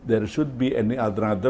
harus ada alternatif